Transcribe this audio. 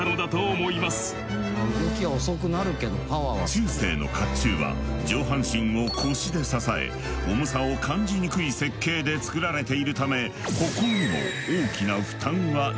中世の甲冑は上半身を腰で支え重さを感じにくい設計で作られているため歩行にも大きな負担はなく。